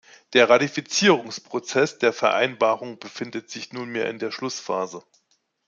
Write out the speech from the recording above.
Der Ratifizierungsprozess der Vereinbarung befindet sich nunmehr in der Schlussphase.